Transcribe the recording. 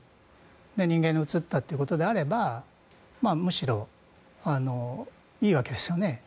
人間にうつったということであればむしろいいわけですよね。